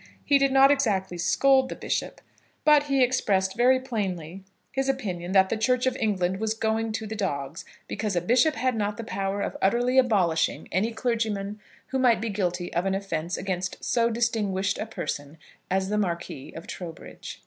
He did not exactly scold the bishop, but he expressed very plainly his opinion that the Church of England was going to the dogs, because a bishop had not the power of utterly abolishing any clergyman who might be guilty of an offence against so distinguished a person as the Marquis of Trowbridge.